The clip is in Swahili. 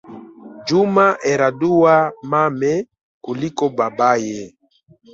Juma eradua mame kuliko babaye